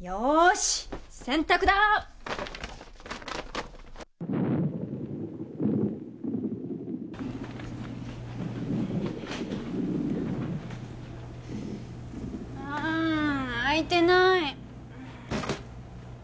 よーし洗濯だ！ああ空いてない。